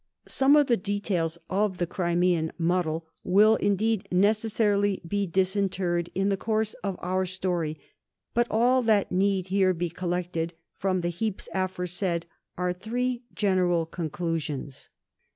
Some of the details of the Crimean muddle will indeed necessarily be disinterred in the course of our story; but all that need here be collected from the heaps aforesaid are three general conclusions.